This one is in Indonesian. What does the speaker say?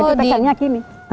jadi tegannya begini